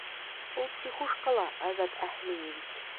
Ул психушкала, Азат Әһлиевич!